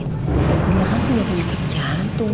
gila aku gak punya kecantum